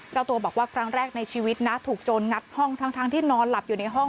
เจ้าตัวบอกว่าครั้งแรกในชีวิตนะถูกโจรงัดห้องทั้งที่นอนหลับอยู่ในห้อง